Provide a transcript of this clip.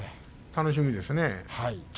楽しみですね。